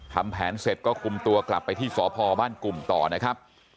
ทำแผนเสร็จก็คุมตัวกลับไปที่สพบ้านกลุ่มต่อนะครับ